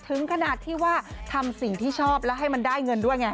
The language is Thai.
ถึงขนาดที่ว่าทำสิ่งที่ชอบแล้วให้มันได้เงินด้วยไง